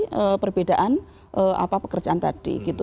dari perbedaan pekerjaan tadi gitu